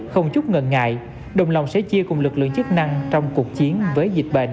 không chút ngần ngại đồng lòng sẽ chia cùng lực lượng chức năng trong cuộc chiến với dịch bệnh